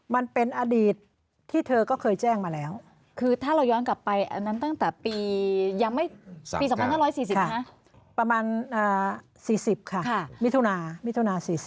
มันเป็นอดีตที่เธอก็เคยแจ้งมาแล้วคือถ้าเราย้อนกลับไปอันนั้นตั้งแต่ปียังไม่ปี๒๕๔๐นะประมาณ๔๐ค่ะ